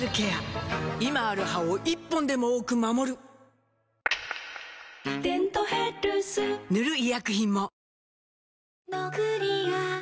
今ある歯を１本でも多く守る「デントヘルス」塗る医薬品も